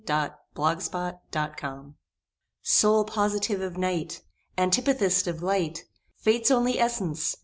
NE PLUS ULTRA Sole Positive of Night! Antipathist of Light! Fate's only essence!